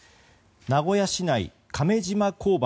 名古屋市内、亀島交番。